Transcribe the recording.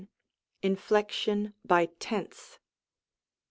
Inflection by Tense.